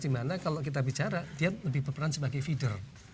dimana kalau kita bicara dia lebih berperan sebagai feeder